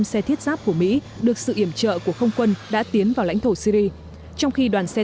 xe thiết giáp của mỹ được sự iểm trợ của không quân đã tiến vào lãnh thổ syri trong khi đoàn xe